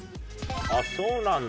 あっそうなんだ。